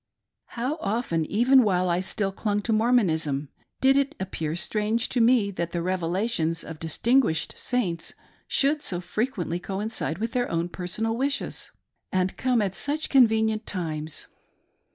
How often — even while I still clung to Mormonism — did it appear strange to me that the " revelations " of distinguished Saints should so fre quently coincide with their own personal wishes, and come at such convenient times.